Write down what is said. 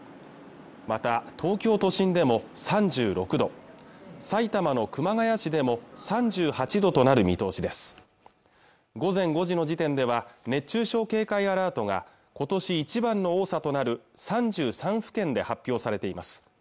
また東京都心でも３６度埼玉の熊谷市でも３８度となる見通しです午前５時の時点では熱中症警戒アラートが今年一番の多さとなる３３府県で発表されています